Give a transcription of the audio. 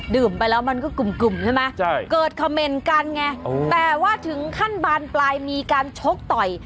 ไปแล้วมันก็กึ่มใช่ไหมเกิดเขม่นกันไงแต่ว่าถึงขั้นบานปลายมีการชกต่อย